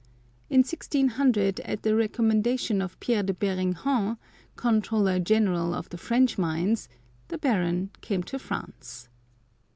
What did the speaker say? In 1600, at the recommendation of Pierre de Beringhen, Controller General of the French mines, the Baron came to France.